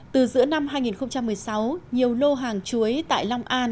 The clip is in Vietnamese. từ giữa năm hai nghìn một mươi sáu nhiều lô hàng chuối tại long an